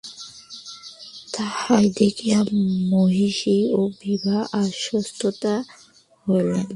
তাহাই দেখিয়া মহিষী ও বিভা আশ্বস্তা হইলেন।